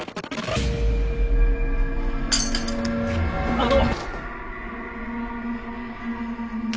あの！